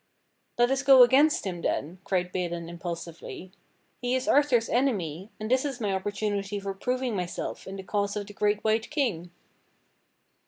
"Let us go against him then," cried Balin impulsively. "He is Arthur's enemy; and this is my opportunity for proving myself in the cause of the great White King!"